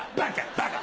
バカ！